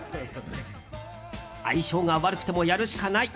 相性が悪くてもやるしかない。